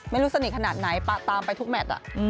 ไม่รู้สนิทขนาดไหนปะตามไปทุกแมท